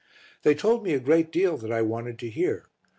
They told me a great deal that I wanted to hear.